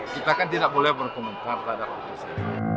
kita kan tidak boleh berkomentar terhadap putusan